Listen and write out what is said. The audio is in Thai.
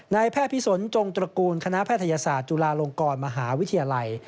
นายแพทย์พิสนจงตระกูลคณะแพทยศาสตร์จุฬาลงกรมหาวิทยาลัย